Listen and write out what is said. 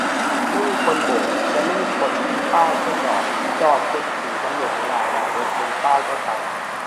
ไม่มีคนโบก-ยังไม่มีคนที่ป้ายก็จอด จอดจนถึงกำหนดเวลาออกรถบนป้ายก็ไป